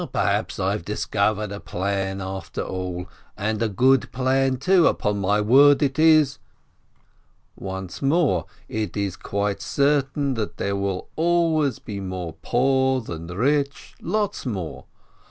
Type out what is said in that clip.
Perhaps I've discovered a plan after all! And a good plan, too, upon my word it is ! Once more : it is quite certain that there will always be more poor than rich — lots more